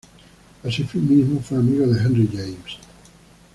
Asimismo fue amigo de Henry James.